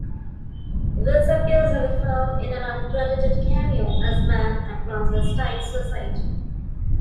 Weiss appears in the film in an uncredited cameo as man at transvestite's suicide.